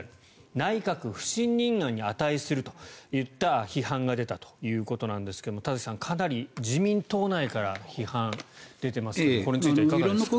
内閣不信任案に値するといった批判が出たということですが田崎さん、かなり自民党内から批判が出ていますがこれについてはいかがでしょうか。